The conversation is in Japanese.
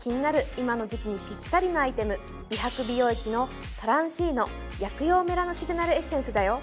今の時期にぴったりのアイテム美白美容液のトランシーノ薬用メラノシグナルエッセンスだよ